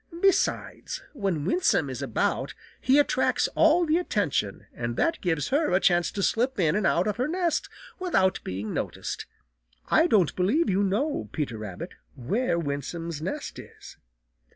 "Besides, when Winsome is about he attracts all the attention and that gives her a chance to slip in and out of her nest without being noticed. I don't believe you know, Peter Rabbit, where Winsome's nest is."